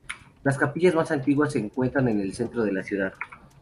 Las capillas más antiguas se encuentran en el centro de la ciudad.